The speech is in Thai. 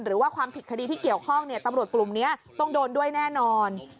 หรือว่าความผิดคดีที่เกี่ยวข้องตำรวจกลุ่มนี้ต้องโดนด้วยแน่นอน